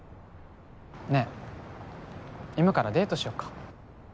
ねえ今からデートしよっか。